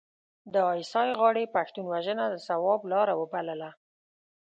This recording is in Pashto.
د ای اس ای غاړې پښتون وژنه د ثواب لاره وبلله.